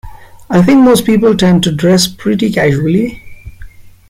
I think most people tend to dress pretty casually.